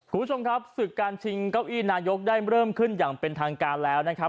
คุณผู้ชมครับศึกการชิงเก้าอี้นายกได้เริ่มขึ้นอย่างเป็นทางการแล้วนะครับ